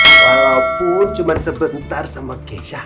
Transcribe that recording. walaupun cuma sebentar sama keja